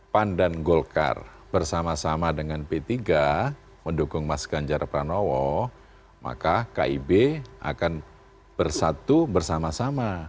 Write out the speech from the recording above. pan dan golkar bersama sama dengan p tiga mendukung mas ganjar pranowo maka kib akan bersatu bersama sama